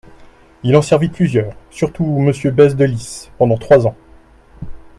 Il en servit plusieurs, surtout Monsieur Bèze de Lys, pendant trois ans.